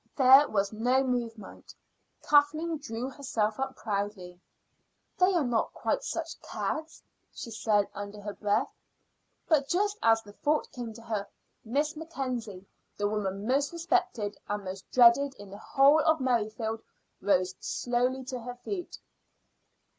There was no movement. Kathleen drew herself up proudly. "They're not quite such cads," she said under her breath. But just as the thought came to her, Miss Mackenzie, the woman most respected and most dreaded in the whole of Merrifield, rose slowly to her feet.